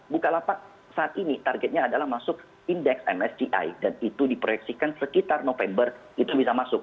bukalapak saat ini targetnya adalah masuk indeks msci dan itu diproyeksikan sekitar november itu bisa masuk